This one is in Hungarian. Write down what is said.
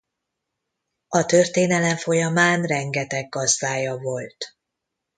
A történelem folyamán rengeteg gazdája volt.